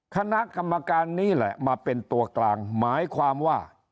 คณะกรรมการนี้แหละมาเป็นตัวกลางหมายความว่า